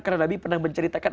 karena nabi pernah menceritakan